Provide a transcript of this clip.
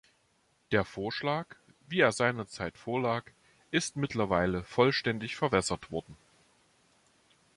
Der Vorschlag, wie er seinerzeit vorlag, ist mittlerweile vollständig verwässert worden.